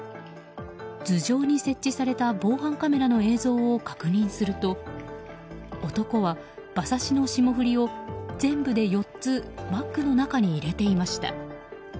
頭上に設置された防犯カメラの映像を確認すると男は馬刺しの霜降りを全部で４つバッグの中に入れていました。